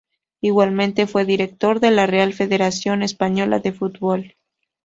Igualmente fue directivo de la Real Federación Española de Fútbol.